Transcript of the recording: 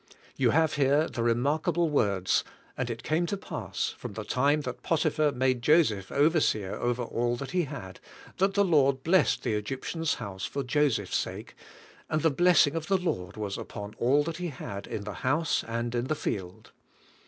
You have here the remarkable words: "And it came to pass from the time that Potiphar made Joseph overseer over all that he had, that the Lord blessed the Egyptian's house for Joseph's sake, and the blessing of the Lord was upon all that he had in the house, and in the field."